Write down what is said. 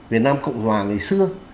việt nam cộng hòa ngày xưa